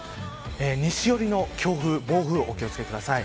西寄りの強風、暴風にお気を付けください。